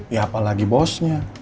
ya apalagi bosnya